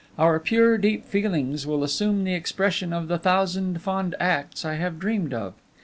Our pure, deep feelings will assume the expression of the thousand fond acts I have dreamed of.